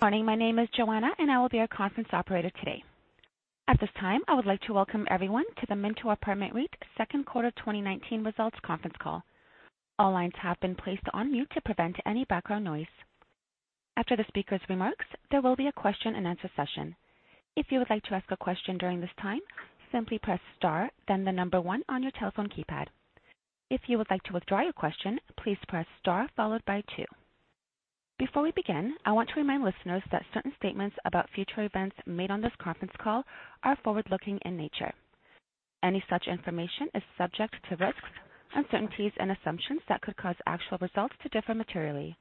Morning. My name is Joanna, and I will be your conference operator today. At this time, I would like to welcome everyone to the Minto Apartment REIT second quarter 2019 results conference call. All lines have been placed on mute to prevent any background noise. After the speaker's remarks, there will be a question and answer session. If you would like to ask a question during this time, simply press star, then the number one on your telephone keypad. If you would like to withdraw your question, please press star followed by two. Before we begin, I want to remind listeners that certain statements about future events made on this conference call are forward-looking in nature. Any such information is subject to risks, uncertainties, and assumptions that could cause actual results to differ materially.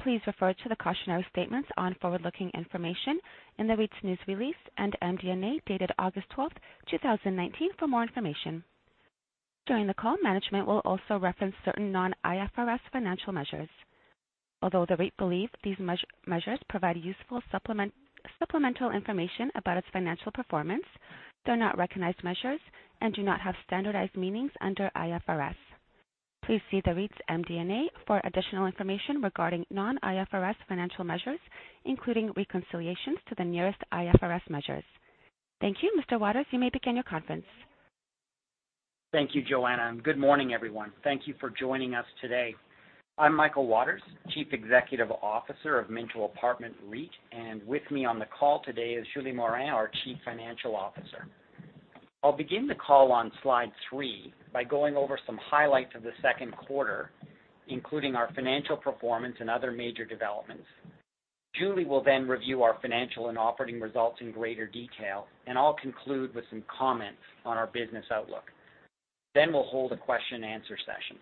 Please refer to the cautionary statements on forward-looking information in the REIT's news release and MD&A dated August 12th, 2019 for more information. During the call, management will also reference certain non-IFRS financial measures. Although the REIT believe these measures provide useful supplemental information about its financial performance, they're not recognized measures and do not have standardized meanings under IFRS. Please see the REIT's MD&A for additional information regarding non-IFRS financial measures, including reconciliations to the nearest IFRS measures. Thank you. Mr. Waters, you may begin your conference. Thank you, Joanna. Good morning, everyone. Thank you for joining us today. I'm Michael Waters, Chief Executive Officer of Minto Apartment REIT, and with me on the call today is Julie Morin, our Chief Financial Officer. I'll begin the call on slide three by going over some highlights of the second quarter, including our financial performance and other major developments. Julie will then review our financial and operating results in greater detail, and I'll conclude with some comments on our business outlook. We'll hold a question and answer session.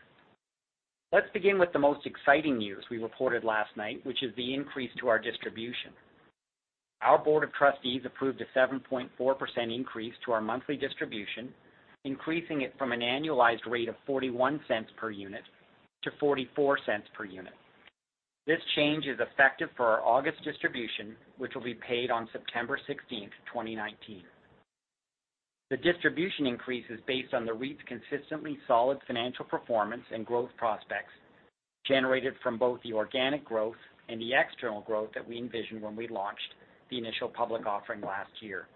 Let's begin with the most exciting news we reported last night, which is the increase to our distribution. Our Board of Trustees approved a 7.4% increase to our monthly distribution, increasing it from an annualized rate of 0.41 per unit to 0.44 per unit. This change is effective for our August distribution, which will be paid on September 16th, 2019. The distribution increase is based on the REIT's consistently solid financial performance and growth prospects generated from both the organic growth and the external growth that we envisioned when we launched the initial public offering last year.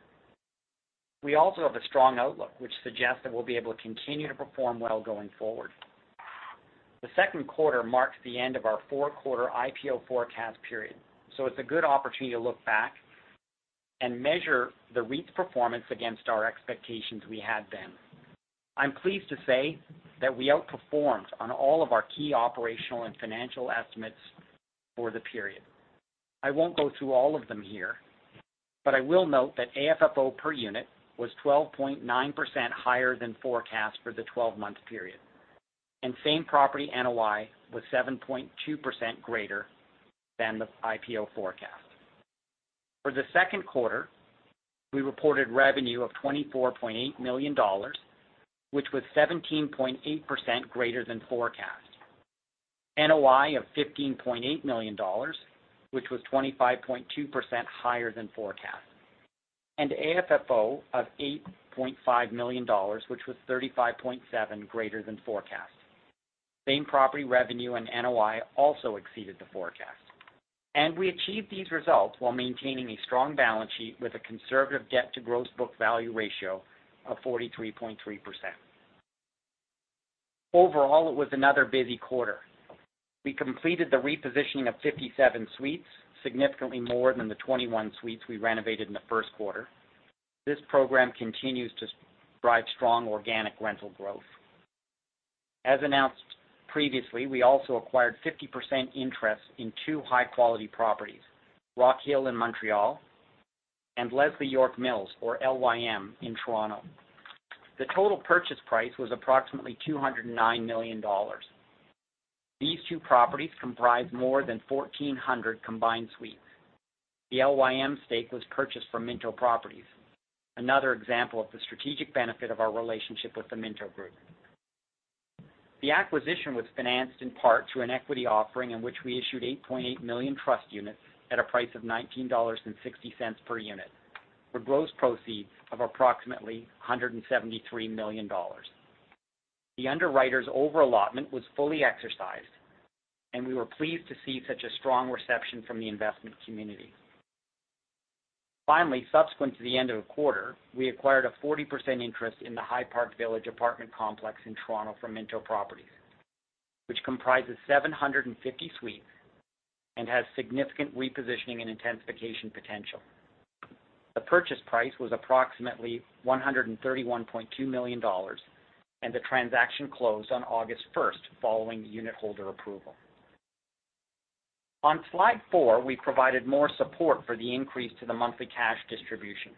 We also have a strong outlook, which suggests that we'll be able to continue to perform well going forward. The second quarter marks the end of our four-quarter IPO forecast period. It's a good opportunity to look back and measure the REIT's performance against our expectations we had then. I'm pleased to say that we outperformed on all of our key operational and financial estimates for the period. I won't go through all of them here, but I will note that AFFO per unit was 12.9% higher than forecast for the 12-month period, and same-property NOI was 7.2% greater than the IPO forecast. For the second quarter, we reported revenue of 24.8 million dollars, which was 17.8% greater than forecast, NOI of 15.8 million dollars, which was 25.2% higher than forecast, and AFFO of 8.5 million dollars, which was 35.7% greater than forecast. Same-property revenue and NOI also exceeded the forecast. We achieved these results while maintaining a strong balance sheet with a conservative debt to gross book value ratio of 43.3%. Overall, it was another busy quarter. We completed the repositioning of 57 suites, significantly more than the 21 suites we renovated in the first quarter. This program continues to drive strong organic rental growth. As announced previously, we also acquired 50% interest in two high-quality properties, Rockhill in Montreal and Leslie York Mills, or LYM, in Toronto. The total purchase price was approximately 209 million dollars. These two properties comprise more than 1,400 combined suites. The LYM stake was purchased from Minto Properties, another example of the strategic benefit of our relationship with the Minto Group. The acquisition was financed in part through an equity offering in which we issued 8.8 million trust units at a price of 19.60 dollars per unit, for gross proceeds of approximately 173 million dollars. The underwriters' overallotment was fully exercised. We were pleased to see such a strong reception from the investment community. Finally, subsequent to the end of the quarter, we acquired a 40% interest in the High Park Village apartment complex in Toronto from Minto Properties, which comprises 750 suites and has significant repositioning and intensification potential. The purchase price was approximately 131.2 million dollars. The transaction closed on August 1st, following unitholder approval. On slide four, we provided more support for the increase to the monthly cash distribution.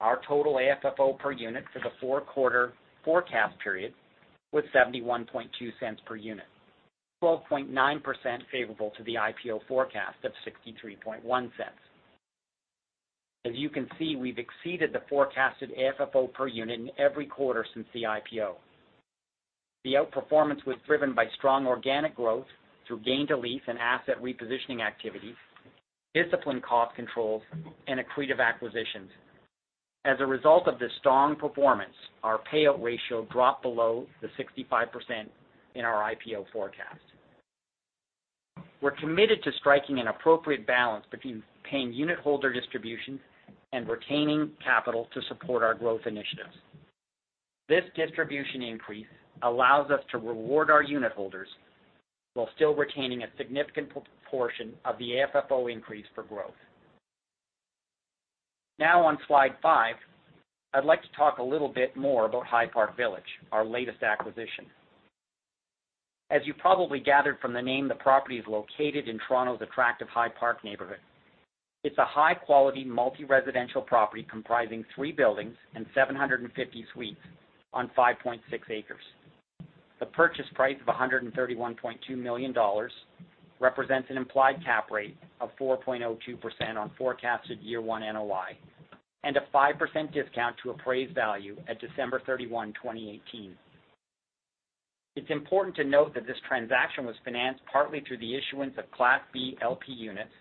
Our total AFFO per unit for the four-quarter forecast period was 0.712 per unit, 12.9% favorable to the IPO forecast of 0.631. As you can see, we've exceeded the forecasted AFFO per unit in every quarter since the IPO. The outperformance was driven by strong organic growth through gain-to-lease and asset repositioning activities, disciplined cost controls, and accretive acquisitions. As a result of this strong performance, our payout ratio dropped below the 65% in our IPO forecast. We're committed to striking an appropriate balance between paying unitholder distributions and retaining capital to support our growth initiatives. This distribution increase allows us to reward our unitholders, while still retaining a significant portion of the AFFO increase for growth. Now, on slide five, I'd like to talk a little bit more about High Park Village, our latest acquisition. As you probably gathered from the name, the property is located in Toronto's attractive High Park neighborhood. It's a high-quality, multi-residential property comprising three buildings and 750 suites on 5.6 acres. The purchase price of 131.2 million dollars represents an implied cap rate of 4.02% on forecasted year one NOI, and a 5% discount to appraised value at December 31, 2018. It's important to note that this transaction was financed partly through the issuance of Class B LP units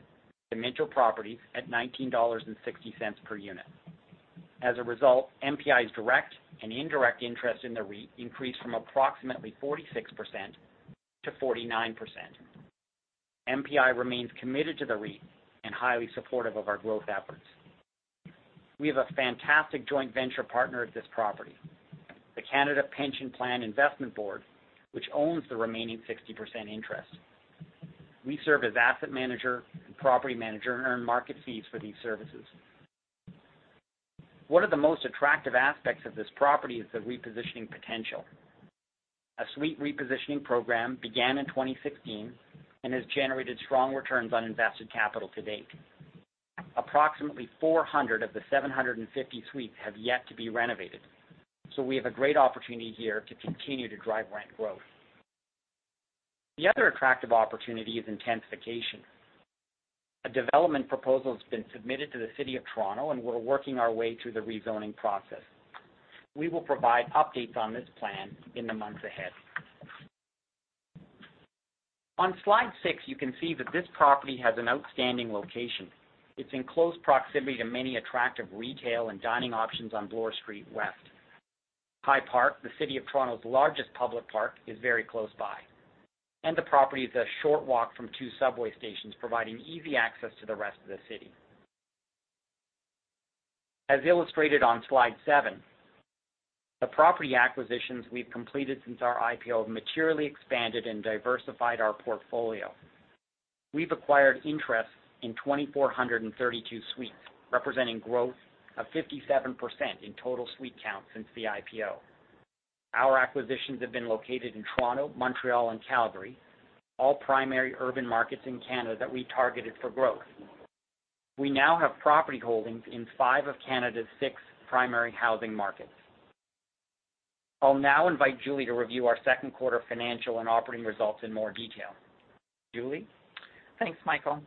to Minto Properties at 19.60 dollars per unit. As a result, MPI's direct and indirect interest in the REIT increased from approximately 46% to 49%. MPI remains committed to the REIT and highly supportive of our growth efforts. We have a fantastic joint venture partner at this property, the Canada Pension Plan Investment Board, which owns the remaining 60% interest. We serve as asset manager and property manager and earn market fees for these services. One of the most attractive aspects of this property is the repositioning potential. A suite repositioning program began in 2016 and has generated strong returns on invested capital to date. Approximately 400 of the 750 suites have yet to be renovated. We have a great opportunity here to continue to drive rent growth. The other attractive opportunity is intensification. A development proposal has been submitted to the City of Toronto, and we're working our way through the rezoning process. We will provide updates on this plan in the months ahead. On slide six, you can see that this property has an outstanding location. It's in close proximity to many attractive retail and dining options on Bloor Street West. High Park, the city of Toronto's largest public park, is very close by. The property is a short walk from two subway stations, providing easy access to the rest of the city. As illustrated on slide seven, the property acquisitions we've completed since our IPO have materially expanded and diversified our portfolio. We've acquired interest in 2,432 suites, representing growth of 57% in total suite count since the IPO. Our acquisitions have been located in Toronto, Montreal, and Calgary, all primary urban markets in Canada that we targeted for growth. We now have property holdings in five of Canada's six primary housing markets. I'll now invite Julie to review our second quarter financial and operating results in more detail. Julie? Thanks, Michael.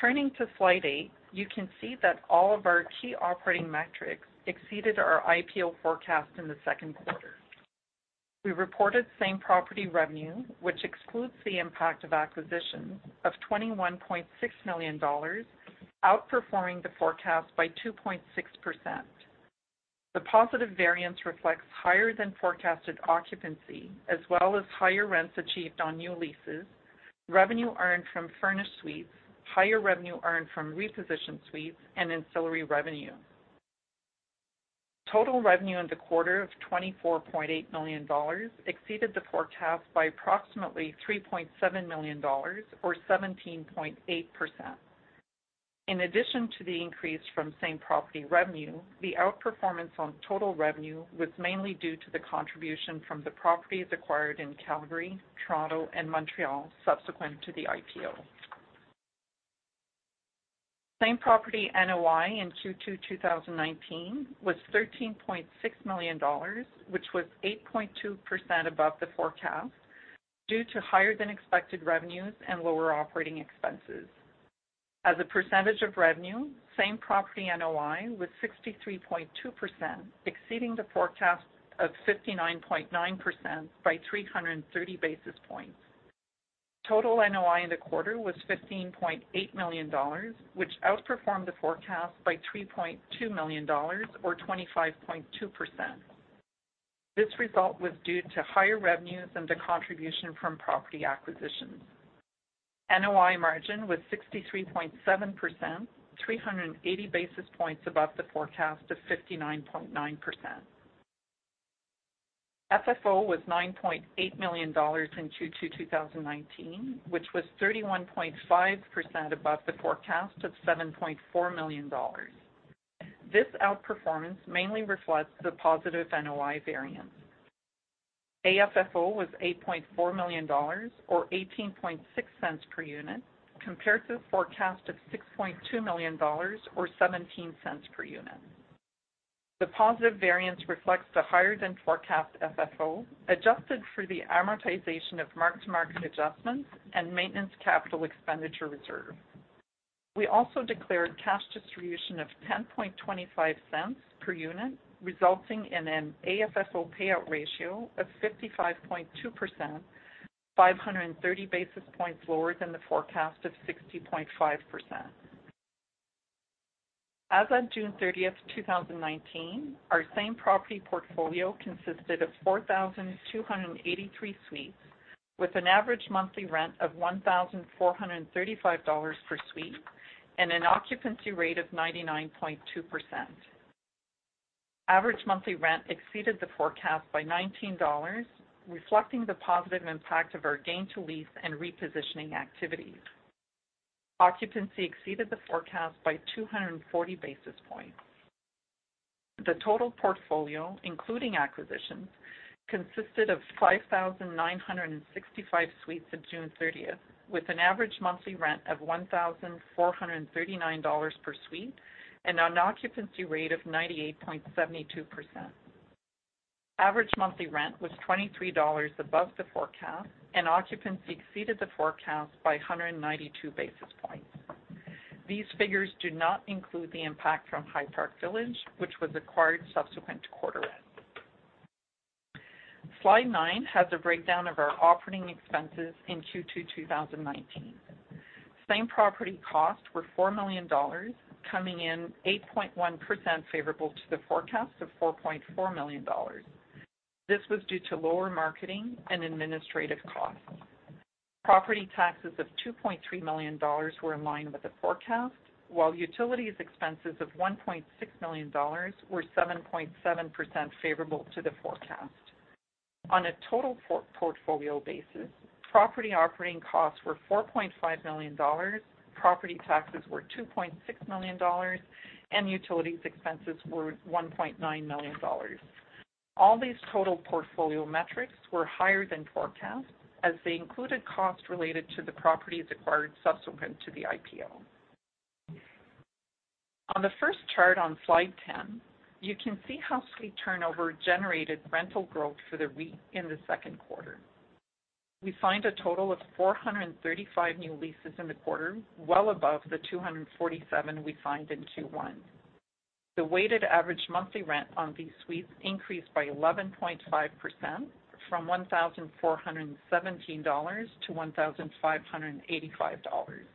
Turning to slide eight, you can see that all of our key operating metrics exceeded our IPO forecast in the second quarter. We reported same-property revenue, which excludes the impact of acquisitions, of 21.6 million dollars, outperforming the forecast by 2.6%. The positive variance reflects higher than forecasted occupancy, as well as higher rents achieved on new leases, revenue earned from furnished suites, higher revenue earned from repositioned suites, and ancillary revenue. Total revenue in the quarter of 24.8 million dollars exceeded the forecast by approximately 3.7 million dollars, or 17.8%. In addition to the increase from same-property revenue, the outperformance on total revenue was mainly due to the contribution from the properties acquired in Calgary, Toronto, and Montreal subsequent to the IPO. Same-property NOI in Q2 2019 was CAD 13.6 million, which was 8.2% above the forecast due to higher than expected revenues and lower operating expenses. As a percentage of revenue, same-property NOI was 63.2%, exceeding the forecast of 59.9% by 330 basis points. Total NOI in the quarter was 15.8 million dollars, which outperformed the forecast by 3.2 million dollars, or 25.2%. This result was due to higher revenues and the contribution from property acquisitions. NOI margin was 63.7%, 380 basis points above the forecast of 59.9%. FFO was 9.8 million dollars in Q2 2019, which was 31.5% above the forecast of 7.4 million dollars. This outperformance mainly reflects the positive NOI variance. AFFO was 8.4 million dollars, or 0.186 per unit, compared to the forecast of 6.2 million dollars, or 0.17 per unit. The positive variance reflects the higher than forecast FFO, adjusted for the amortization of mark-to-market adjustments and maintenance capital expenditure reserve. We also declared cash distribution of 0.1025 per unit, resulting in an AFFO payout ratio of 55.2%, 530 basis points lower than the forecast of 60.5%. As on June 30th, 2019, our same-property portfolio consisted of 4,283 suites with an average monthly rent of 1,435 dollars per suite and an occupancy rate of 99.2%. Average monthly rent exceeded the forecast by 19 dollars, reflecting the positive impact of our gain-to-lease and repositioning activities. Occupancy exceeded the forecast by 240 basis points. The total portfolio, including acquisitions, consisted of 5,965 suites at June 30th, with an average monthly rent of 1,439 dollars per suite and an occupancy rate of 98.72%. Average monthly rent was 23 dollars above the forecast, and occupancy exceeded the forecast by 192 basis points. These figures do not include the impact from High Park Village, which was acquired subsequent to quarter end. Slide nine has a breakdown of our operating expenses in Q2 2019. Same property costs were 4 million dollars, coming in 8.1% favorable to the forecast of 4.4 million dollars. This was due to lower marketing and administrative costs. Property taxes of 2.3 million dollars were in line with the forecast, while utilities expenses of 1.6 million dollars were 7.7% favorable to the forecast. On a total portfolio basis, property operating costs were 4.5 million dollars, property taxes were 2.6 million dollars, and utilities expenses were 1.9 million dollars. All these total portfolio metrics were higher than forecast, as they included costs related to the properties acquired subsequent to the IPO. On the first chart on slide 10, you can see how suite turnover generated rental growth for the REIT in the second quarter. We signed a total of 435 new leases in the quarter, well above the 247 we signed in Q1. The weighted average monthly rent on these suites increased by 11.5%, from 1,417 dollars to 1,585 dollars.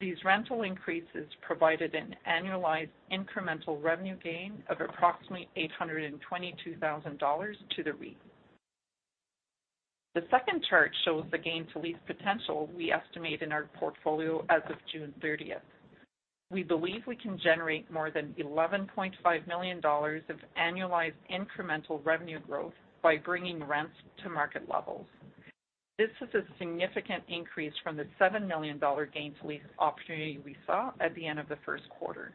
These rental increases provided an annualized incremental revenue gain of approximately 822,000 dollars to the REIT. The second chart shows the gain to lease potential we estimate in our portfolio as of June 30th. We believe we can generate more than 11.5 million dollars of annualized incremental revenue growth by bringing rents to market levels. This is a significant increase from the 7 million dollar gain to lease opportunity we saw at the end of the first quarter.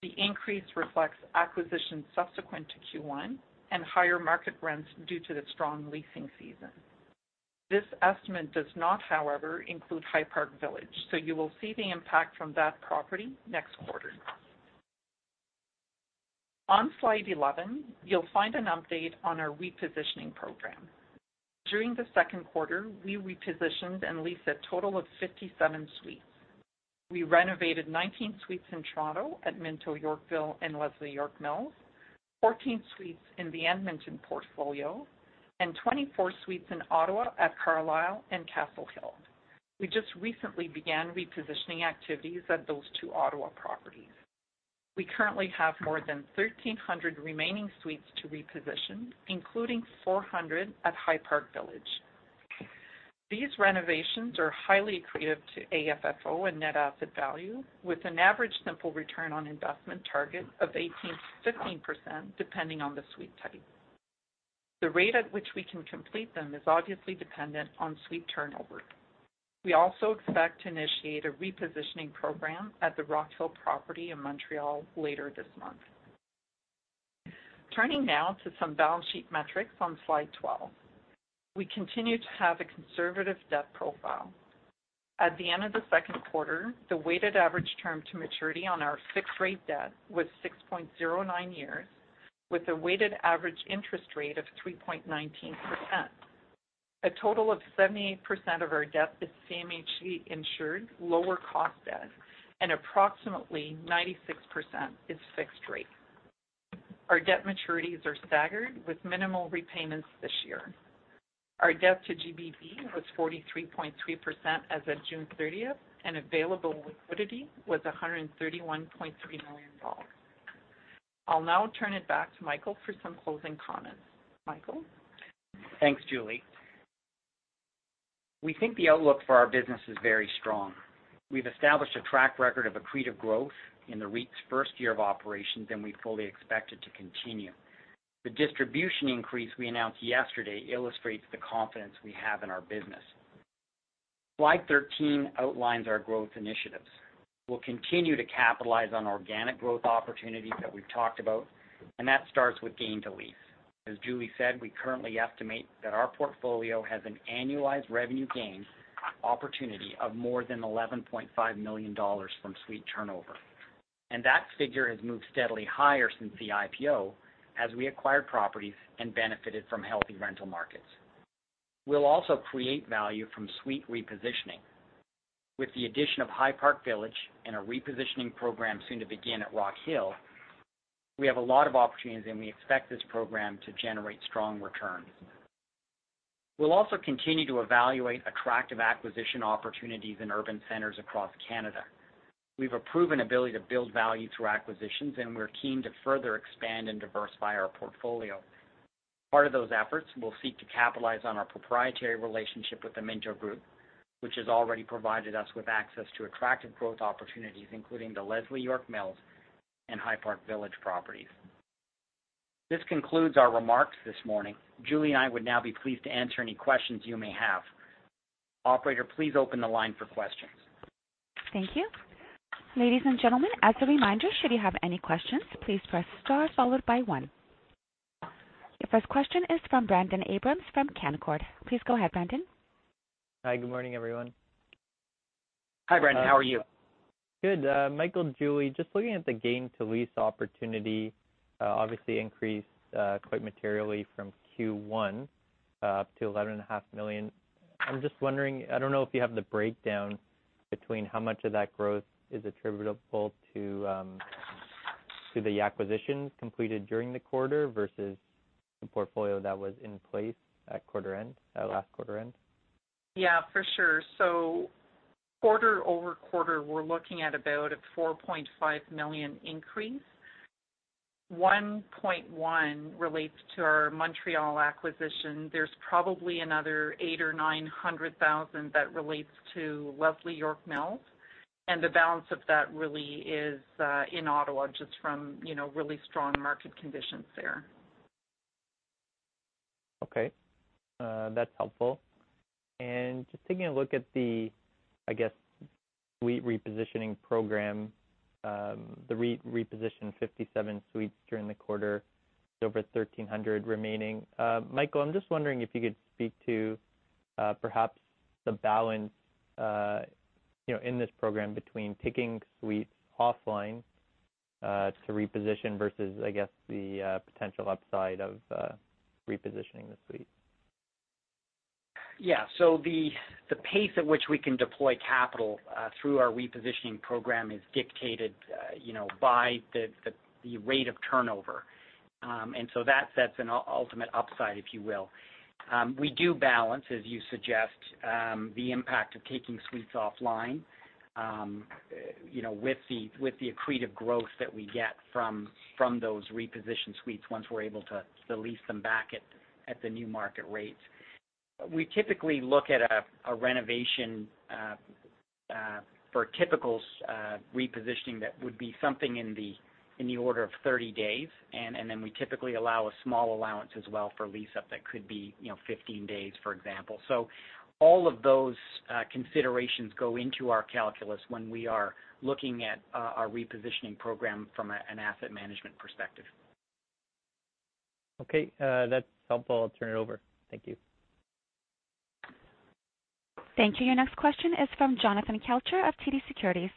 The increase reflects acquisitions subsequent to Q1 and higher market rents due to the strong leasing season. This estimate does not, however, include High Park Village, so you will see the impact from that property next quarter. On slide 11, you'll find an update on our repositioning program. During the second quarter, we repositioned and leased a total of 57 suites. We renovated 19 suites in Toronto at Minto Yorkville and Leslie York Mills, 14 suites in the Edmonton portfolio, and 24 suites in Ottawa at The Carlisle and Castlehill. We just recently began repositioning activities at those two Ottawa properties. We currently have more than 1,300 remaining suites to reposition, including 400 at High Park Village. These renovations are highly accretive to AFFO and net asset value, with an average simple return on investment target of 18%-15%, depending on the suite type. The rate at which we can complete them is obviously dependent on suite turnover. We also expect to initiate a repositioning program at the Rockhill property in Montreal later this month. Turning now to some balance sheet metrics on Slide 12. We continue to have a conservative debt profile. At the end of the second quarter, the weighted average term to maturity on our fixed-rate debt was 6.09 years, with a weighted average interest rate of 3.19%. A total of 78% of our debt is CMHC-insured lower cost debt, and approximately 96% is fixed rate. Our debt maturities are staggered with minimal repayments this year. Our debt to GBV was 43.3% as of June 30th, and available liquidity was 131.3 million dollars. I'll now turn it back to Michael for some closing comments. Michael? Thanks, Julie. We think the outlook for our business is very strong. We've established a track record of accretive growth in the REIT's first year of operation. We fully expect it to continue. The distribution increase we announced yesterday illustrates the confidence we have in our business. Slide 13 outlines our growth initiatives. We'll continue to capitalize on organic growth opportunities that we've talked about. That starts with gain to lease. As Julie said, we currently estimate that our portfolio has an annualized revenue gain opportunity of more than 11.5 million dollars from suite turnover. That figure has moved steadily higher since the IPO as we acquired properties and benefited from healthy rental markets. We'll also create value from suite repositioning. With the addition of High Park Village and a repositioning program soon to begin at Rockhill. We have a lot of opportunities, and we expect this program to generate strong returns. We'll also continue to evaluate attractive acquisition opportunities in urban centers across Canada. We've a proven ability to build value through acquisitions, and we're keen to further expand and diversify our portfolio. Part of those efforts will seek to capitalize on our proprietary relationship with The Minto Group, which has already provided us with access to attractive growth opportunities, including the Leslie York Mills and High Park Village properties. This concludes our remarks this morning. Julie and I would now be pleased to answer any questions you may have. Operator, please open the line for questions. Thank you. Ladies and gentlemen, as a reminder, should you have any questions, please press star followed by one. Your first question is from Brendon Abrams from Canaccord. Please go ahead, Brendon. Hi. Good morning, everyone. Hi, Brendon. How are you? Good. Michael, Julie, just looking at the gain to lease opportunity, obviously increased quite materially from Q1 up to 11.5 million. I'm just wondering, I don't know if you have the breakdown between how much of that growth is attributable to the acquisitions completed during the quarter versus the portfolio that was in place at last quarter end. Yeah, for sure. Quarter-over-quarter, we're looking at about a 4.5 million increase. 1.1 million relates to our Montréal acquisition. There's probably another 800,000 or 900,000 that relates to Leslie York Mills, and the balance of that really is in Ottawa, just from really strong market conditions there. Okay. That's helpful. Just taking a look at the, I guess, suite repositioning program, the reposition 57 suites during the quarter with over 1,300 remaining. Michael, I'm just wondering if you could speak to perhaps the balance in this program between taking suites offline to reposition versus, I guess, the potential upside of repositioning the suites. Yeah. The pace at which we can deploy capital through our repositioning program is dictated by the rate of turnover. That sets an ultimate upside, if you will. We do balance, as you suggest, the impact of taking suites offline with the accretive growth that we get from those repositioned suites once we're able to lease them back at the new market rates. We typically look at a renovation for typical repositioning that would be something in the order of 30 days, and then we typically allow a small allowance as well for lease-up that could be 15 days, for example. All of those considerations go into our calculus when we are looking at our repositioning program from an asset management perspective. Okay. That's helpful. I'll turn it over. Thank you. Thank you. Your next question is from Jonathan Kelcher of TD Securities.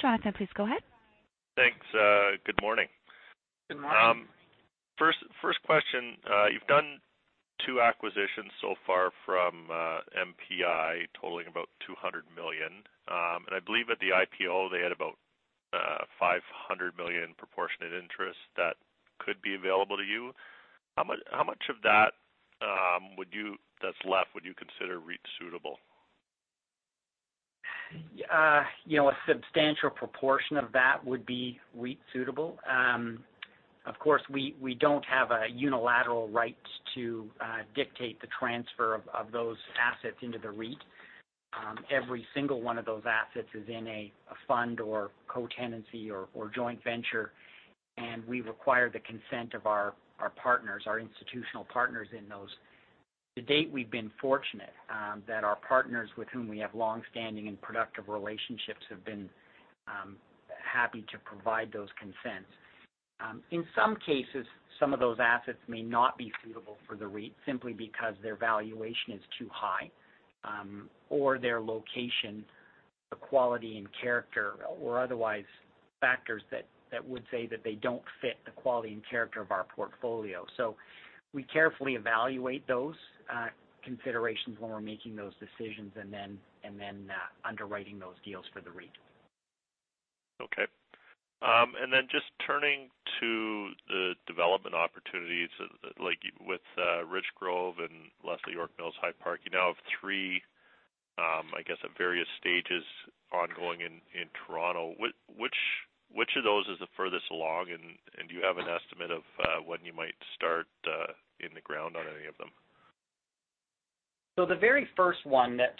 Jonathan, please go ahead. Thanks. Good morning. Good morning. First question. You've done two acquisitions so far from MPI totaling about 200 million. I believe at the IPO, they had about 500 million proportionate interest that could be available to you. How much of that that's left would you consider REIT suitable? A substantial proportion of that would be REIT suitable. Of course, we don't have a unilateral right to dictate the transfer of those assets into the REIT. Every single one of those assets is in a fund or co-tenancy or joint venture, and we require the consent of our institutional partners in those. To date, we've been fortunate that our partners with whom we have longstanding and productive relationships have been happy to provide those consents. In some cases, some of those assets may not be suitable for the REIT simply because their valuation is too high. Their location, the quality, and character or otherwise factors that would say that they don't fit the quality and character of our portfolio. We carefully evaluate those considerations when we're making those decisions and then underwriting those deals for the REIT. Okay. Just turning to the development opportunities like with Richgrove and Leslie York Mills High Park. You now have three, I guess, at various stages ongoing in Toronto. Which of those is the furthest along, and do you have an estimate of when you might start in the ground on any of them? The very first one that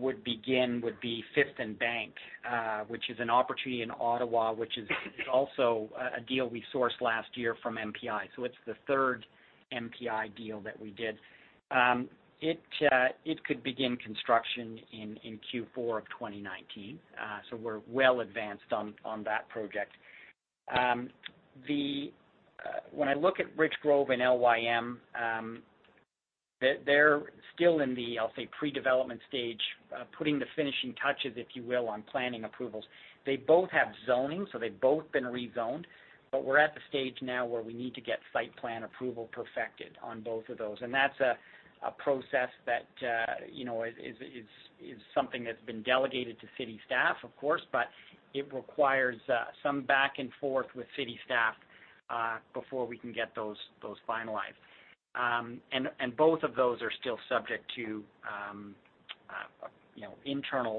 would begin would be Fifth + Bank, which is an opportunity in Ottawa, which is also a deal we sourced last year from MPI. It's the third MPI deal that we did. It could begin construction in Q4 of 2019. We're well advanced on that project. When I look at Richgrove and LYM, they're still in the, I'll say, pre-development stage. Putting the finishing touches, if you will, on planning approvals. They both have zoning, so they've both been rezoned. We're at the stage now where we need to get site plan approval perfected on both of those. That's a process that is something that's been delegated to city staff, of course, but it requires some back and forth with city staff before we can get those finalized. Both of those are still subject to our internal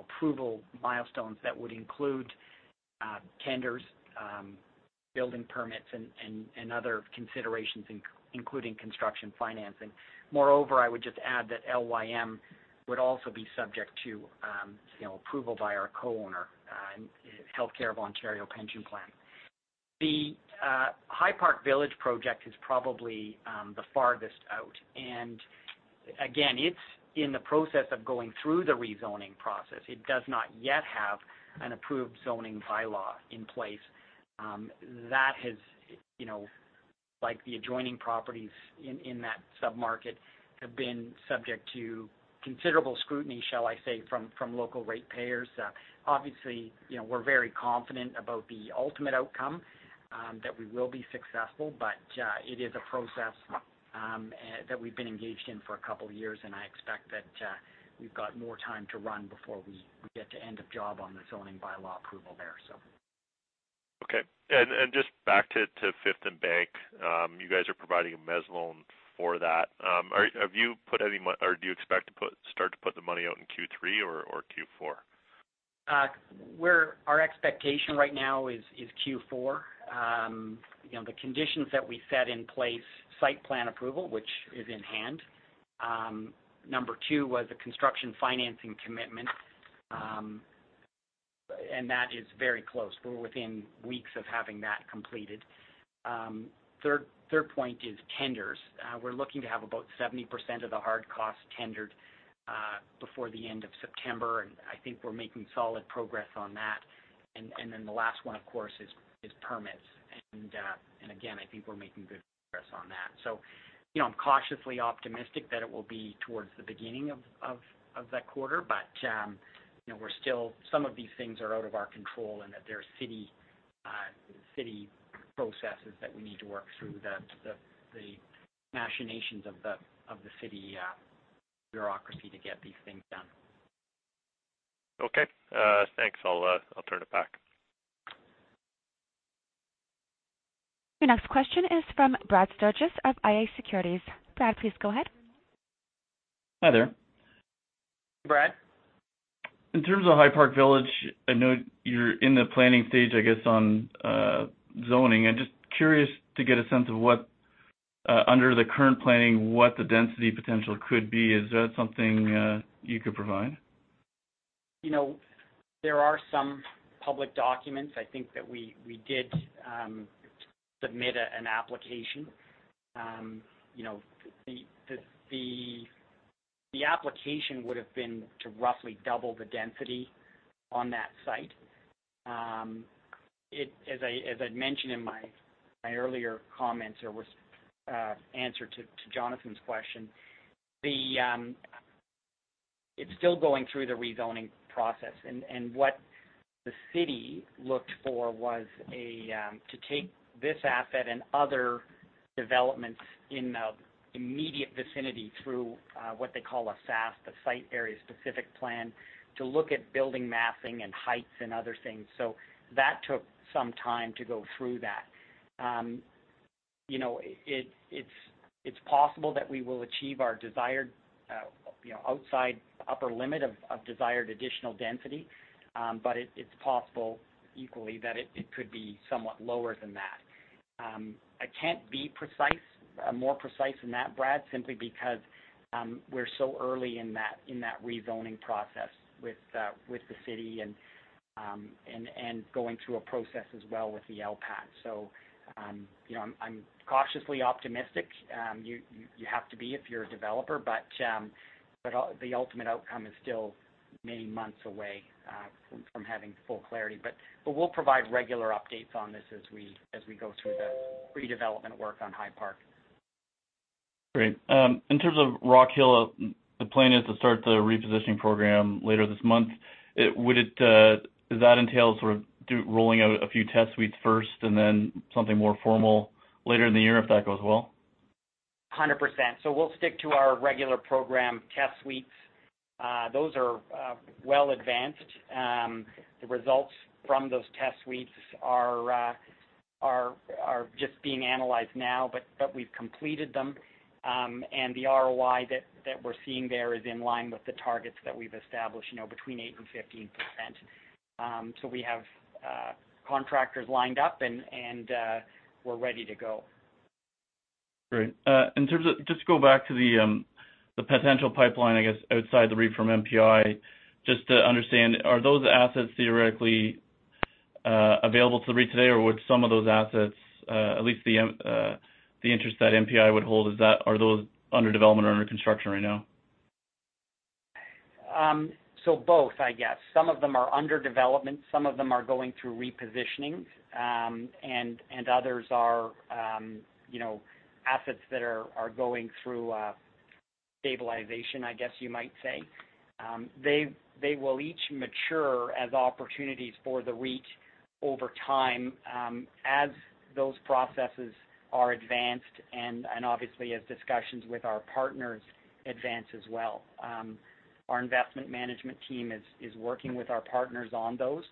approval milestones that would include tenders, building permits and other considerations, including construction financing. Moreover, I would just add that LYM would also be subject to approval by our co-owner, Healthcare of Ontario Pension Plan. The High Park Village project is probably the farthest out, and again, it's in the process of going through the rezoning process. It does not yet have an approved zoning by-law in place. That has, like the adjoining properties in that sub-market, have been subject to considerable scrutiny, shall I say, from local ratepayers. Obviously, we're very confident about the ultimate outcome, that we will be successful, but it is a process that we've been engaged in for a couple of years, and I expect that we've got more time to run before we get to end of job on the zoning by-law approval there. Okay. Just back to Fifth + Bank, you guys are providing a mezzanine loan for that. Do you expect to start to put the money out in Q3 or Q4? Our expectation right now is Q4. The conditions that we set in place, site plan approval, which is in hand. Number 2 was a construction financing commitment. That is very close. We're within weeks of having that completed. Third point is tenders. We're looking to have about 70% of the hard costs tendered before the end of September, and I think we're making solid progress on that. Then the last one, of course, is permits. Again, I think we're making good progress on that. I'm cautiously optimistic that it will be towards the beginning of that quarter, but some of these things are out of our control in that there are city processes that we need to work through, the machinations of the city bureaucracy to get these things done. Okay. Thanks. I'll turn it back. Your next question is from Brad Sturges of iA Securities. Brad, please go ahead. Hi there. Brad. In terms of High Park Village, I know you're in the planning stage, I guess, on zoning. I'm just curious to get a sense of what, under the current planning, what the density potential could be. Is that something you could provide? There are some public documents. I think that we did submit an application. The application would've been to roughly double the density on that site. As I'd mentioned in my earlier comments or answer to Jonathan's question, it's still going through the rezoning process, and what the city looked for was to take this asset and other developments in the immediate vicinity through what they call a SASP, a Site Area Specific Plan, to look at building massing and heights and other things. That took some time to go through that. It's possible that we will achieve our desired outside upper limit of desired additional density. It's possible equally that it could be somewhat lower than that. I can't be more precise than that, Brad, simply because we're so early in that rezoning process with the city and going through a process as well with the LPAT. I'm cautiously optimistic. You have to be if you're a developer, but the ultimate outcome is still many months away from having full clarity. We'll provide regular updates on this as we go through the redevelopment work on High Park. Great. In terms of Rockhill, the plan is to start the repositioning program later this month. Does that entail sort of rolling out a few test suites first and then something more formal later in the year if that goes well? 100%. We'll stick to our regular program test suites. Those are well advanced. The results from those test suites are just being analyzed now, but we've completed them. The ROI that we're seeing there is in line with the targets that we've established, between 8% and 15%. We have contractors lined up, and we're ready to go. Great. Just to go back to the potential pipeline, I guess, outside the REIT from MPI, just to understand, are those assets theoretically available to the REIT today, or would some of those assets, at least the interest that MPI would hold, are those under development or under construction right now? Both, I guess. Some of them are under development, some of them are going through repositioning, and others are assets that are going through stabilization, I guess you might say. They will each mature as opportunities for the REIT over time as those processes are advanced and obviously as discussions with our partners advance as well. Our investment management team is working with our partners on those.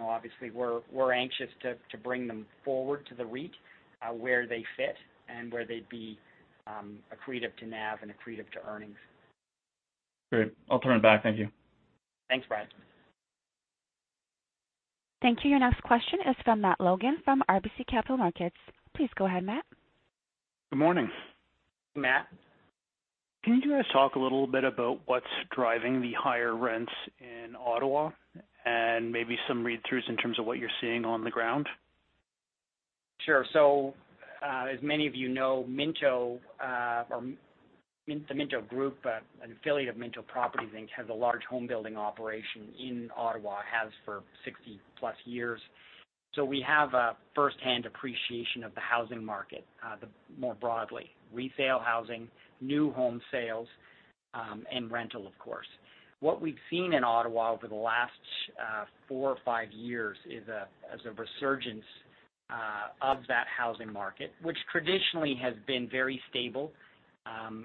Obviously, we're anxious to bring them forward to the REIT, where they fit and where they'd be accretive to NAV and accretive to earnings. Great. I'll turn it back. Thank you. Thanks, Brad Sturges. Thank you. Your next question is from Matt Logan from RBC Capital Markets. Please go ahead, Matt. Good morning. Matt. Can you guys talk a little bit about what's driving the higher rents in Ottawa and maybe some read-throughs in terms of what you're seeing on the ground? Sure. As many of you know, the Minto Group, an affiliate of Minto Properties Inc., has a large home building operation in Ottawa, has for 60-plus years. We have a firsthand appreciation of the housing market more broadly, resale housing, new home sales, and rental, of course. What we've seen in Ottawa over the last four or five years is a resurgence of that housing market, which traditionally has been very stable.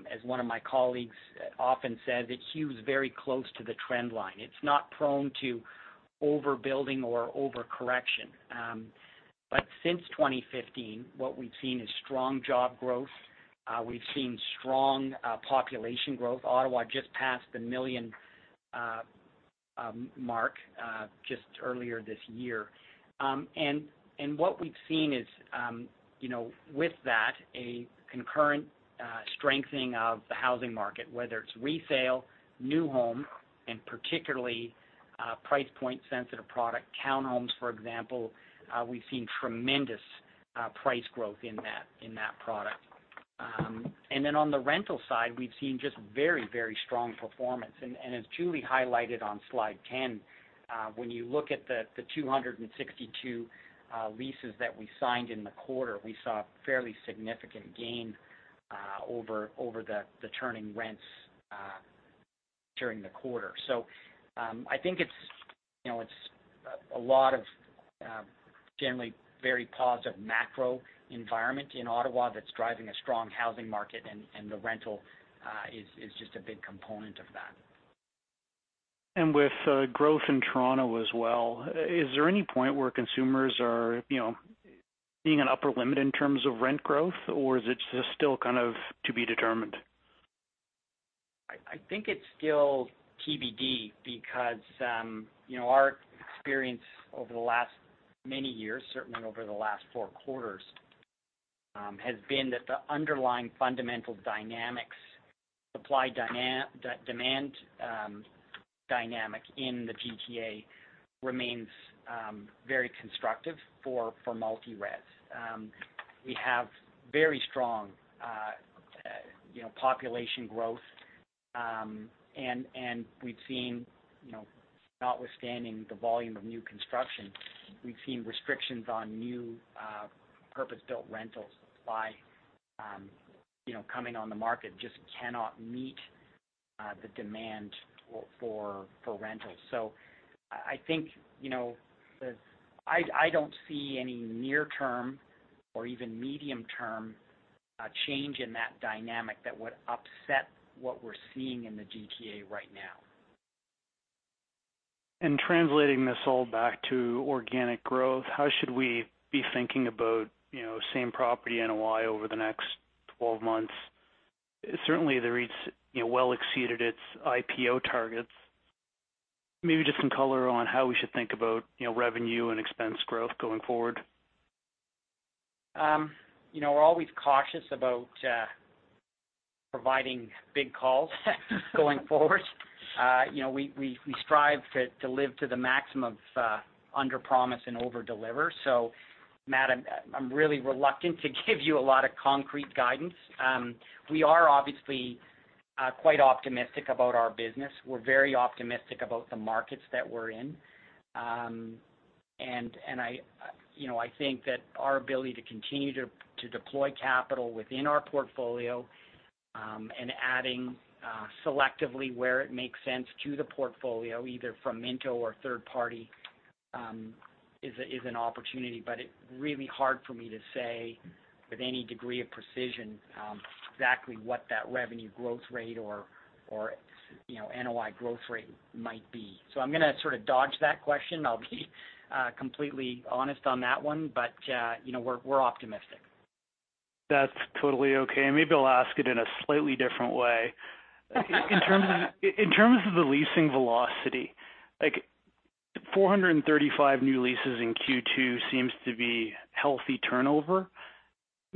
As one of my colleagues often says, it hews very close to the trend line. It's not prone to overbuilding or overcorrection. Since 2015, what we've seen is strong job growth. We've seen strong population growth. Ottawa just passed the million mark just earlier this year. What we've seen is, with that, a concurrent strengthening of the housing market, whether it's resale, new home, and particularly price point-sensitive product, townhomes, for example. We've seen tremendous price growth in that product. On the rental side, we've seen just very strong performance. As Julie highlighted on slide 10, when you look at the 262 leases that we signed in the quarter, we saw a fairly significant gain over the turning rents during the quarter. I think it's a lot of generally very positive macro environment in Ottawa that's driving a strong housing market, and the rental is just a big component of that. With growth in Toronto as well, is there any point where consumers are seeing an upper limit in terms of rent growth, or is it just still kind of to be determined? I think it's still TBD because our experience over the last many years, certainly over the last four quarters, has been that the underlying fundamental dynamics, supply-demand dynamic in the GTA remains very constructive for multi-res. We have very strong population growth. Notwithstanding the volume of new construction, we've seen restrictions on new purpose-built rentals supply coming on the market just cannot meet the demand for rentals. I don't see any near-term or even medium-term change in that dynamic that would upset what we're seeing in the GTA right now. Translating this all back to organic growth, how should we be thinking about same-property NOI over the next 12 months? Certainly, the REIT's well exceeded its IPO targets. Maybe just some color on how we should think about revenue and expense growth going forward. We're always cautious about providing big calls going forward. We strive to live to the maximum of underpromise and overdeliver. Matt, I'm really reluctant to give you a lot of concrete guidance. We are obviously quite optimistic about our business. We're very optimistic about the markets that we're in. I think that our ability to continue to deploy capital within our portfolio, and adding selectively where it makes sense to the portfolio, either from Minto or third party, is an opportunity. It's really hard for me to say with any degree of precision exactly what that revenue growth rate or NOI growth rate might be. I'm going to sort of dodge that question. I'll be completely honest on that one, but we're optimistic. That's totally okay. Maybe I'll ask it in a slightly different way. In terms of the leasing velocity, 435 new leases in Q2 seems to be healthy turnover.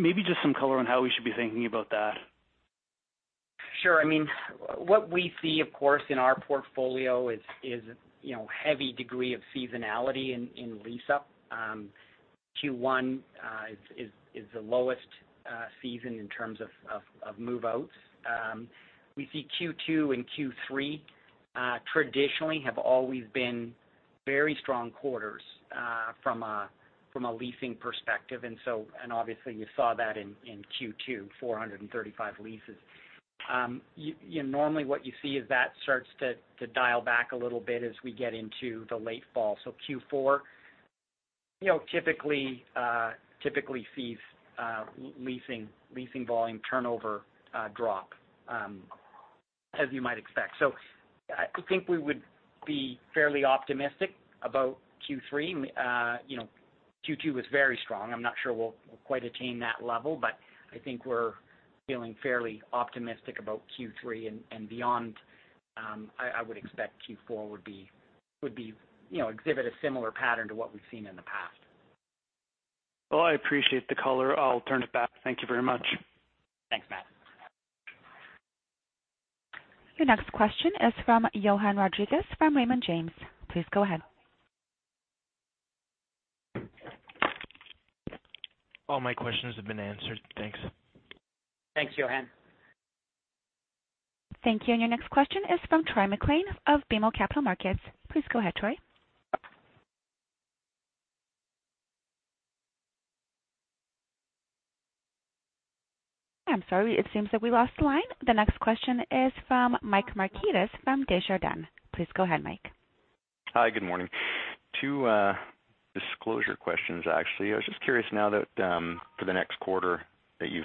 Maybe just some color on how we should be thinking about that. Sure. What we see, of course, in our portfolio is heavy degree of seasonality in lease-up. Q1 is the lowest season in terms of move-outs. We see Q2 and Q3 traditionally have always been very strong quarters from a leasing perspective. Obviously you saw that in Q2, 435 leases. Normally, what you see is that starts to dial back a little bit as we get into the late fall. Q4 typically sees leasing volume turnover drop as you might expect. I think we would be fairly optimistic about Q3. Q2 was very strong. I'm not sure we'll quite attain that level, but I think we're feeling fairly optimistic about Q3 and beyond. I would expect Q4 would exhibit a similar pattern to what we've seen in the past. Well, I appreciate the color. I'll turn it back. Thank you very much. Thanks, Matt. Your next question is from Johann Rodrigues from Raymond James. Please go ahead. All my questions have been answered. Thanks. Thanks, Johann. Thank you. Your next question is from Troy MacLean of BMO Capital Markets. Please go ahead, Troy. I'm sorry, it seems that we lost the line. The next question is from Michael Markidis from Desjardins. Please go ahead, Mike. Hi, good morning. Two disclosure questions, actually. I was just curious now that for the next quarter that you've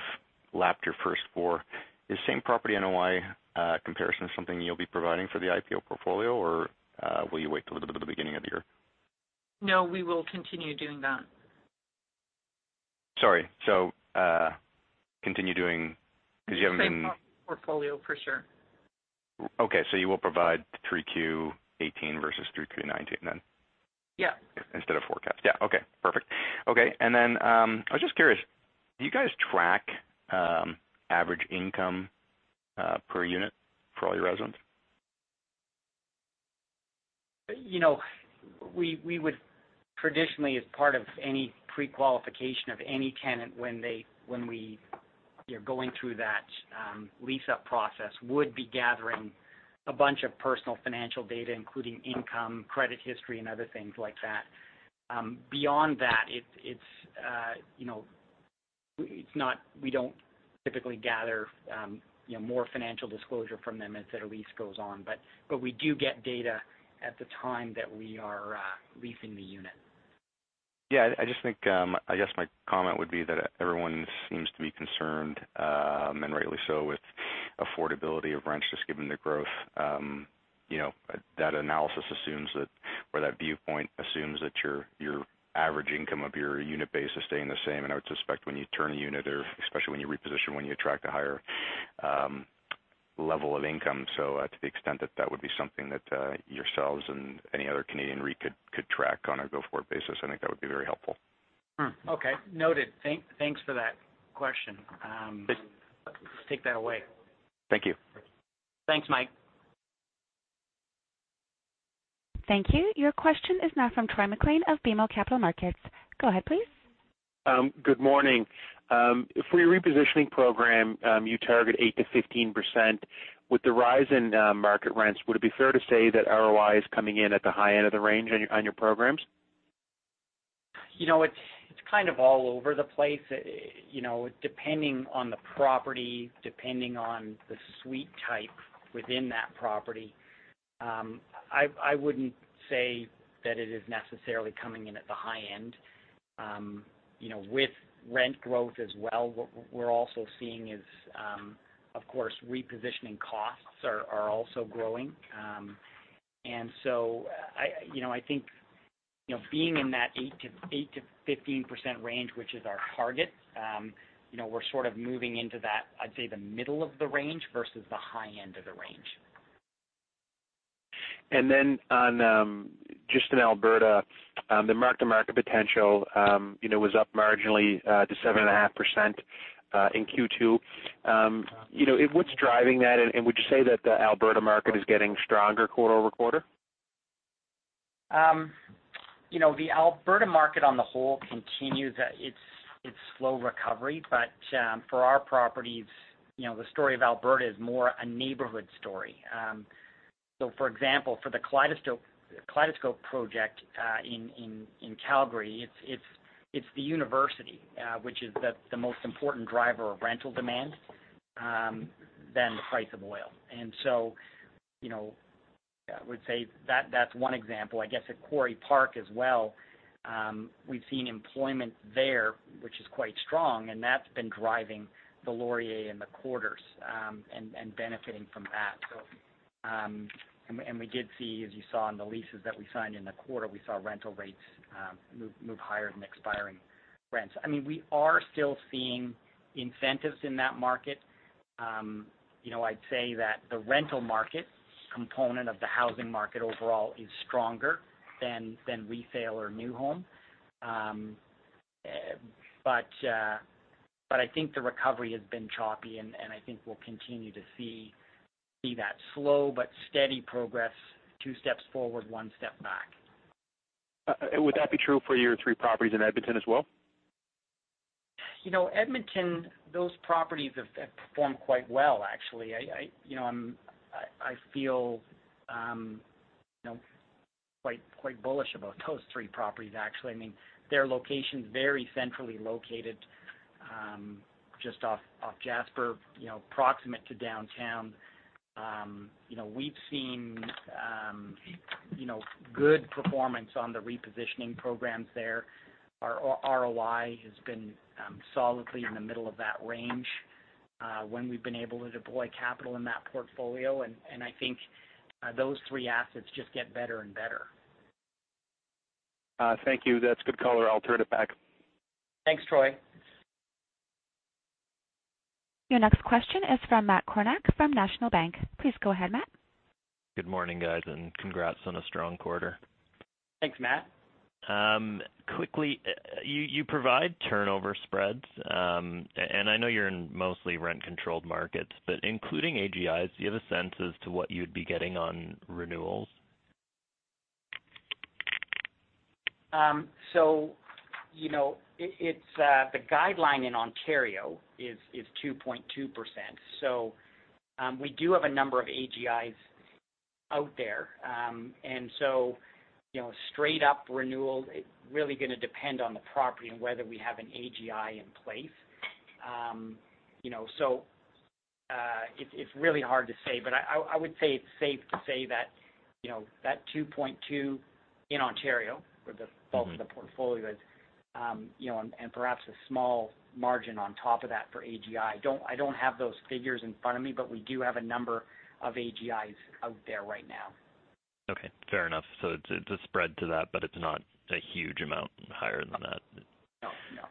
lapped your first four, is same-property NOI comparison something you'll be providing for the IPO portfolio or will you wait till the beginning of the year? No, we will continue doing that. Sorry. Same property portfolio for sure. Okay. You will provide 3Q18 versus 3Q19? Yeah. Instead of forecast. Yeah. Okay, perfect. Okay. I was just curious, do you guys track average income per unit for all your residents? We would traditionally, as part of any pre-qualification of any tenant when we are going through that lease-up process, would be gathering a bunch of personal financial data, including income, credit history, and other things like that. Beyond that, we don't typically gather more financial disclosure from them as that lease goes on. We do get data at the time that we are leasing the unit. Yeah, I guess my comment would be that everyone seems to be concerned, and rightly so, with affordability of rent, just given the growth. That viewpoint assumes that your average income of your unit base is staying the same. I would suspect when you turn a unit or especially when you reposition, when you attract a higher level of income. To the extent that that would be something that yourselves and any other Canadian REIT could track on a go-forward basis, I think that would be very helpful. Okay, noted. Thanks for that question. We will take that away. Thank you. Thanks, Mike. Thank you. Your question is now from Troy MacLean of BMO Capital Markets. Go ahead, please. Good morning. For your repositioning program, you target 8%-15%. With the rise in market rents, would it be fair to say that ROI is coming in at the high end of the range on your programs? It's kind of all over the place. Depending on the property, depending on the suite type within that property. I wouldn't say that it is necessarily coming in at the high end. With rent growth as well, what we're also seeing is, of course, repositioning costs are also growing. I think being in that 8%-15% range, which is our target, we're sort of moving into that, I'd say the middle of the range versus the high end of the range. Just in Alberta, the marked-to-market potential was up marginally to 7.5% in Q2. What's driving that, and would you say that the Alberta market is getting stronger quarter-over-quarter? The Alberta market on the whole continues its slow recovery, but for our properties, the story of Alberta is more a neighborhood story. For example, for the Kaleidoscope Project in Calgary, it's the university which is the most important driver of rental demand than the price of oil. I would say that's one example. I guess at Quarry Park as well, we've seen employment there, which is quite strong, and that's been driving The Laurier and The Quarters, and benefiting from that. We did see, as you saw in the leases that we signed in the quarter, we saw rental rates move higher than expiring rents. We are still seeing incentives in that market. I'd say that the rental market component of the housing market overall is stronger than resale or new home. I think the recovery has been choppy, and I think we'll continue to see that slow but steady progress, two steps forward, one step back. Would that be true for your three properties in Edmonton as well? Edmonton, those properties have performed quite well, actually. I feel quite bullish about those three properties, actually. Their location's very centrally located, just off Jasper, proximate to downtown. We've seen good performance on the repositioning programs there. Our ROI has been solidly in the middle of that range when we've been able to deploy capital in that portfolio, and I think those three assets just get better and better. Thank you. That's a good color. I'll turn it back. Thanks, Troy. Your next question is from Matt Kornack from National Bank. Please go ahead, Matt. Good morning, guys, and congrats on a strong quarter. Thanks, Matt. Quickly, you provide turnover spreads, and I know you're in mostly rent-controlled markets, but including AGIs, do you have a sense as to what you'd be getting on renewals? The guideline in Ontario is 2.2%. We do have a number of AGIs out there. Straight up renewals, it is really going to depend on the property and whether we have an AGI in place. It is really hard to say, but I would say it is safe to say that that 2.2% in Ontario where the bulk of the portfolio is, and perhaps a small margin on top of that for AGI. I do not have those figures in front of me, but we do have a number of AGIs out there right now. Okay. Fair enough. It's a spread to that, but it's not a huge amount higher than that. No.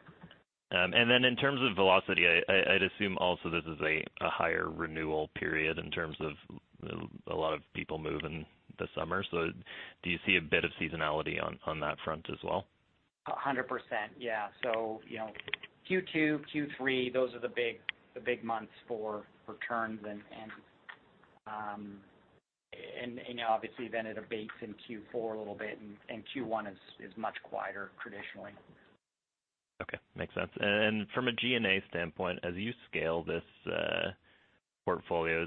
In terms of velocity, I'd assume also this is a higher renewal period in terms of a lot of people move in the summer. Do you see a bit of seasonality on that front as well? 100%, yeah. Q2, Q3, those are the big months for turns, and obviously then it abates in Q4 a little bit and Q1 is much quieter traditionally. Okay. Makes sense. From a G&A standpoint, as you scale this portfolio,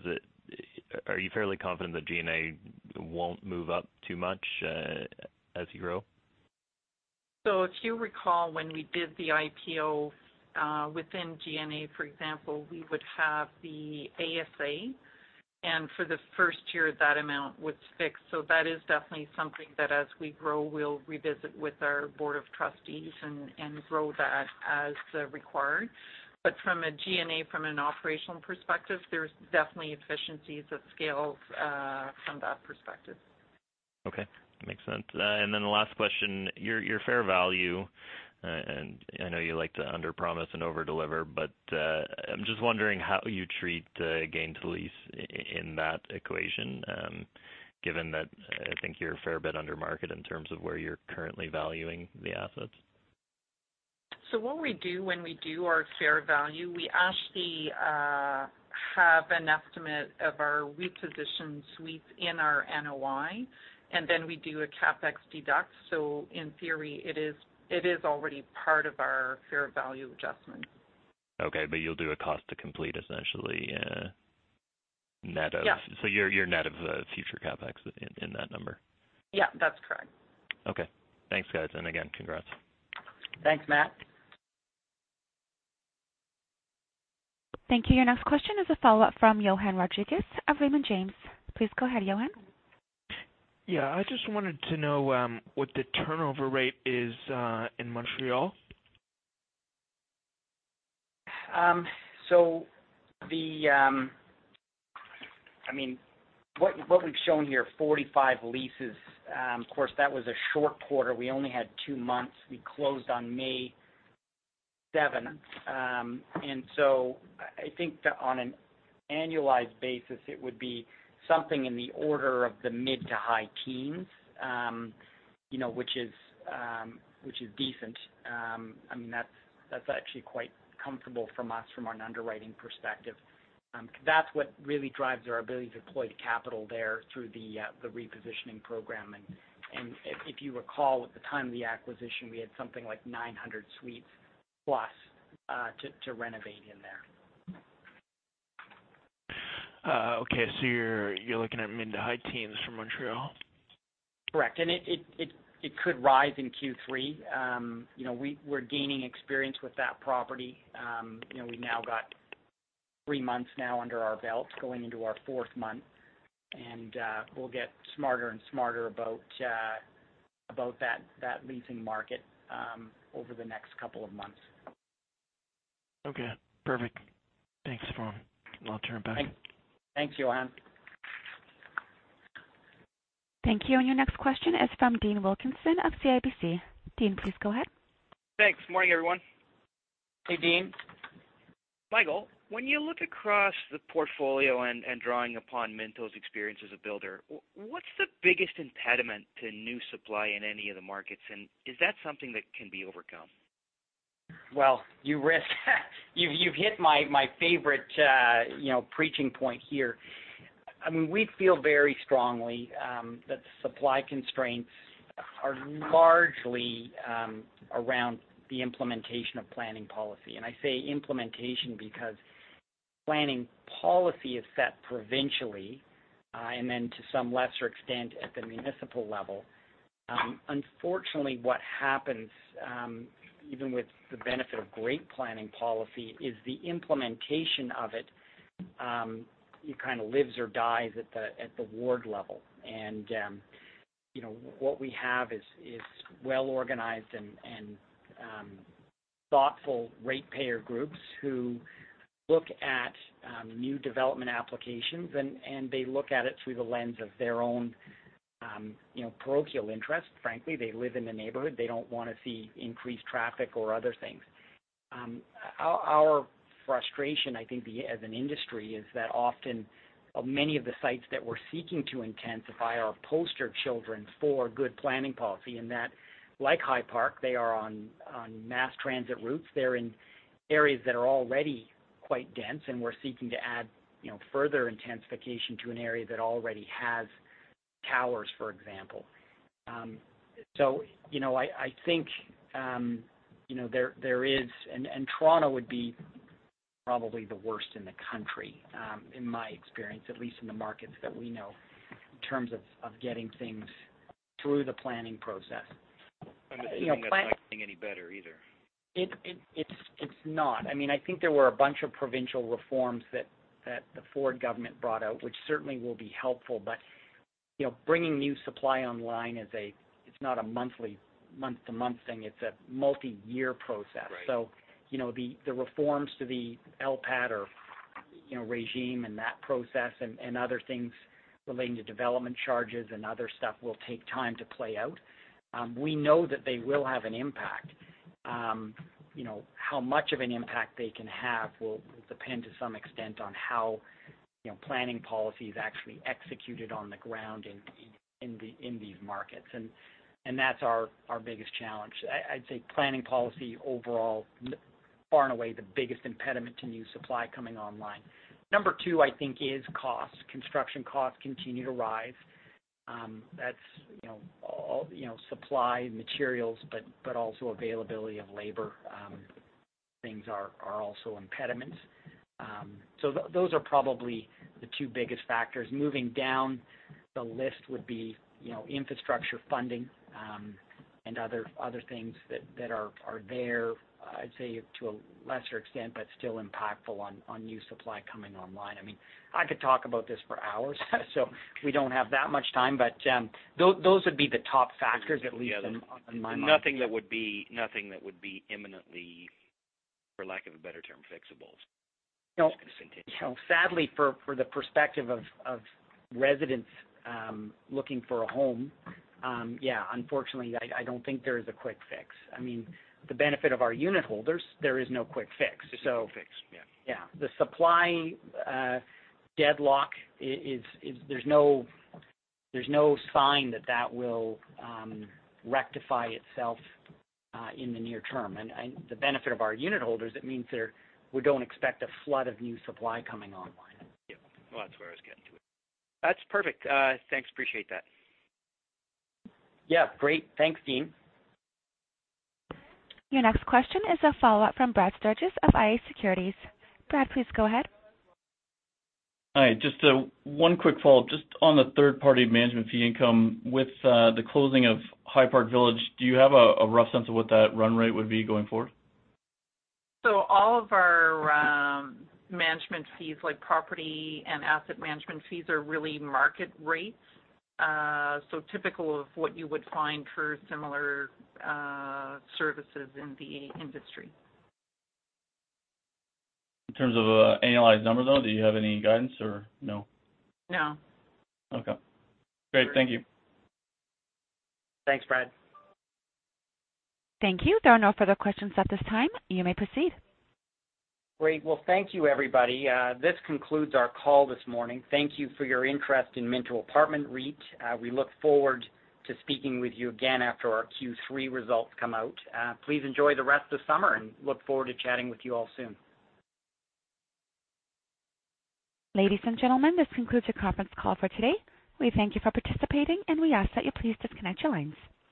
are you fairly confident that G&A won't move up too much, as you grow? If you recall, when we did the IPO, within G&A, for example, we would have the ASA, and for the first year, that amount was fixed. That is definitely something that as we grow, we'll revisit with our Board of Trustees and grow that as required. From a G&A, from an operational perspective, there's definitely efficiencies of scale from that perspective. Okay. Makes sense. Then the last question, your fair value, and I know you like to underpromise and overdeliver, but I’m just wondering how you treat gain to lease in that equation, given that I think you’re a fair bit under market in terms of where you’re currently valuing the assets. What we do when we do our fair value, we actually have an estimate of our repositioned suites in our NOI, and then we do a CapEx deduct. In theory, it is already part of our fair value adjustment. Okay, but you'll do a cost to complete essentially net of- Yeah. You're net of future CapEx in that number. Yeah, that's correct. Okay. Thanks, guys. Again, congrats. Thanks, Matt. Thank you. Your next question is a follow-up from Johann Rodrigues of Raymond James. Please go ahead, Johann. Yeah. I just wanted to know what the turnover rate is in Montreal. What we've shown here, 45 leases. Of course, that was a short quarter. We only had two months. We closed on May seven. I think that on an annualized basis, it would be something in the order of the mid to high teens, which is decent. That's actually quite comfortable from us from an underwriting perspective. That's what really drives our ability to deploy capital there through the repositioning program. If you recall at the time of the acquisition, we had something like 900 suites plus to renovate in there. Okay. You're looking at mid to high teens for Montreal. Correct. It could rise in Q3. We're gaining experience with that property. We've now got three months now under our belt going into our fourth month, and we'll get smarter and smarter about that leasing market over the next couple of months. Okay, perfect. Thanks, Ron. I'll turn it back. Thanks, Johann. Thank you. Your next question is from Dean Wilkinson of CIBC. Dean, please go ahead. Thanks. Morning, everyone. Hey, Dean. Michael, when you look across the portfolio and drawing upon Minto's experience as a builder, what's the biggest impediment to new supply in any of the markets, and is that something that can be overcome? Well, you've hit my favorite preaching point here. We feel very strongly that supply constraints are largely around the implementation of planning policy. I say implementation because planning policy is set provincially, and then to some lesser extent at the municipal level. Unfortunately, what happens, even with the benefit of great planning policy, is the implementation of it kind of lives or dies at the ward level. What we have is well-organized and thoughtful ratepayer groups who look at new development applications, and they look at it through the lens of their own parochial interest. Frankly, they live in the neighborhood. They don't want to see increased traffic or other things. Our frustration, I think, as an industry is that often many of the sites that we're seeking to intensify are poster children for good planning policy in that, like High Park, they are on mass transit routes. They're in areas that are already quite dense, and we're seeking to add further intensification to an area that already has towers, for example. Toronto would be probably the worst in the country, in my experience, at least in the markets that we know, in terms of getting things through the planning process. I'm assuming that's not getting any better either. It's not. I think there were a bunch of provincial reforms that the Ford government brought out, which certainly will be helpful. Bringing new supply online, it's not a month-to-month thing. It's a multi-year process. The reforms to the LPAT regime and that process and other things relating to development charges and other stuff will take time to play out. We know that they will have an impact. How much of an impact they can have will depend, to some extent, on how planning policy is actually executed on the ground in these markets. That's our biggest challenge. I'd say planning policy overall, far and away the biggest impediment to new supply coming online. Number two, I think, is cost. Construction costs continue to rise. That's supply, materials, but also availability of labor things are also impediments. Those are probably the two biggest factors. Moving down the list would be infrastructure funding and other things that are there, I'd say to a lesser extent, but still impactful on new supply coming online. I could talk about this for hours. We don't have that much time, but those would be the top factors, at least in my mind. Nothing that would be imminently, for lack of a better term, fixable. It's just going to continue. Sadly, for the perspective of residents looking for a home, yeah, unfortunately, I don't think there is a quick fix. To the benefit of our unitholders, there is no quick fix. No quick fix. Yeah. Yeah. The supply deadlock, there's no sign that that will rectify itself in the near term. The benefit of our unitholders, it means that we don't expect a flood of new supply coming online. Yeah. Well, that's where I was getting to. That's perfect. Thanks. Appreciate that. Yeah. Great. Thanks, Dean. Your next question is a follow-up from Brad Sturges of iA Securities. Brad, please go ahead. Hi. Just one quick follow-up. Just on the third-party management fee income. With the closing of High Park Village, do you have a rough sense of what that run rate would be going forward? All of our management fees, like property and asset management fees, are really market rates. Typical of what you would find for similar services in the industry. In terms of annualized numbers, though, do you have any guidance or no? No. Okay. Great. Thank you. Thanks, Brad. Thank you. There are no further questions at this time. You may proceed. Great. Well, thank you, everybody. This concludes our call this morning. Thank you for your interest in Minto Apartment REIT. We look forward to speaking with you again after our Q3 results come out. Please enjoy the rest of summer and look forward to chatting with you all soon. Ladies and gentlemen, this concludes your conference call for today. We thank you for participating, and we ask that you please disconnect your lines.